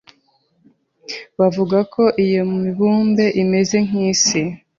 Bavuga ko iyo mibumbe imeze nk’isi